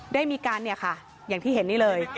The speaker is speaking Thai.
ได้มีการเนี่ยค่ะอย่างที่เห็นนี่เลย